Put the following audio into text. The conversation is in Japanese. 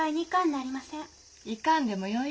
行かんでもよい。